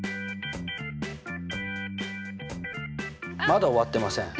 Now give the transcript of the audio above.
まだ終わってません。